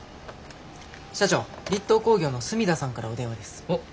社長栗東工業の住田さんからお電話です。